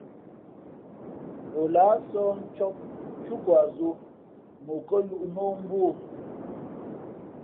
O lāh sɔ̌h ncǒp túkwa zō mα ǒ kάyūʼ nā o mbū o.